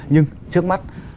nhưng trước mắt